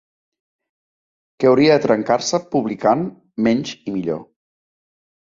Que hauria de trencar-se publicant menys i millor.